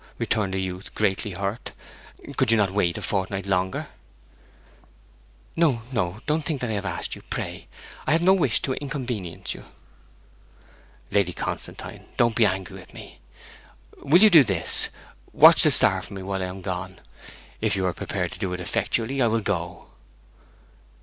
returned the youth, greatly hurt. 'Could you not wait a fortnight longer?' 'No, no. Don't think that I have asked you, pray. I have no wish to inconvenience you.' 'Lady Constantine, don't be angry with me! Will you do this, watch the star for me while I am gone? If you are prepared to do it effectually, I will go.'